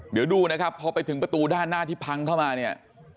เดี๋ยวดูนะครับพอไปถึงประตูด้านหน้าที่พังเข้ามาเนี่ย